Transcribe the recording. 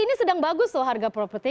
ini sedang bagus loh harga properti